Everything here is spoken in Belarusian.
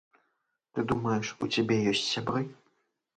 Ты думаеш, у цябе ёсць сябры?